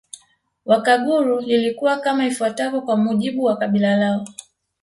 Wakaguru lilikuwa kama ifuatavyo kwa mujibu wa kabila lao